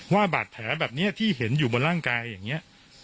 ว่าบาดแผลแบบนี้ที่เห็นอยู่บนร่างกายอย่างนี้